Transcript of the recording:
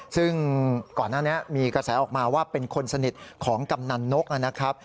ซึ่งก่อนหน้านี้มีกระแสออกมาว่าเป็นคนสนิทของกำนันนกนะครับ